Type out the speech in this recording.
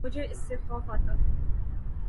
مجھے اس سے خوف آتا ہے